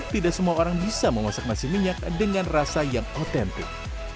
tidak semua orang bisa memasak nasi minyak dengan rasa yang otentik